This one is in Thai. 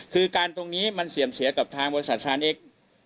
คือการตรงนี้มันเสื่อมเสียกับทางบริษัทชานเอ็กซ์